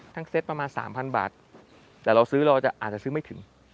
เซตประมาณ๓๐๐บาทแต่เราซื้อเราจะอาจจะซื้อไม่ถึง